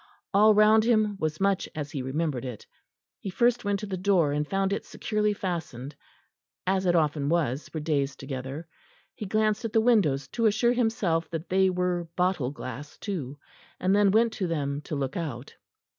All round him was much as he remembered it; he first went to the door and found it securely fastened, as it often was for days together; he glanced at the windows to assure himself that they were bottle glass too, and then went to them to look out.